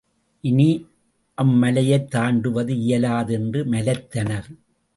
இனி அம்மலையைத் தாண்டுவது இயலாது என்று மலைத்தனர்.